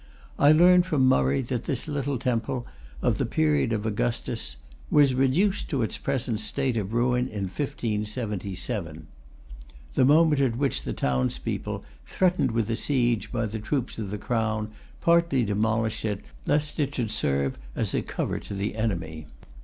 I learn from Murray that this little temple, of the period of Augustus, "was reduced to its present state of ruin in 1577;" the moment at which the townspeople, threatened with a siege by the troops of the crown, partly demolished it, lest it should serve as a cover to the enemy.